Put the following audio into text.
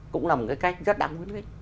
cũng là một cái cách rất đáng khuyến khích